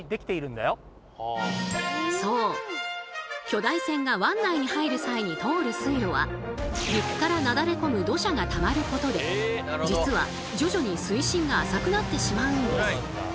巨大船が湾内に入る際に通る水路は陸からなだれ込む土砂がたまることで実は徐々に水深が浅くなってしまうんです。